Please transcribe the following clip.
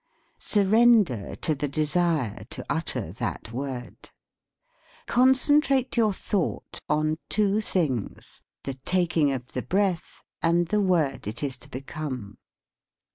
Surrender to the desire to ut ter that word. Concentrate your thought on two things : the taking of the breath and the word it is to become.